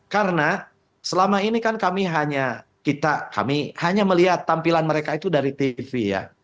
karena selama ini kan kami hanya melihat tampilan mereka itu dari tv ya